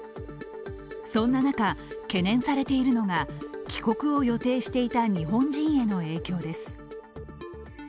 そんな中、懸念されているのが帰国を予定していた日本人への影響です。